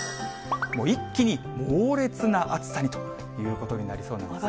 もう一気に猛烈な暑さにということになりそうなんですね。